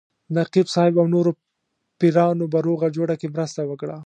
نقیب صاحب او نورو پیرانو په روغه جوړه کې مرسته وکړه.